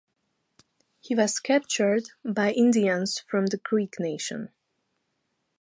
He was captured by Indians from the Creek Nation.